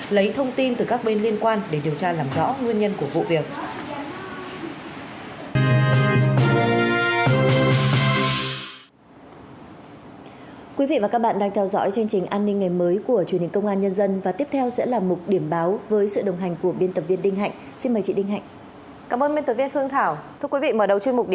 lấy thông tin từ các bên liên quan để điều tra làm rõ nguyên nhân của vụ việc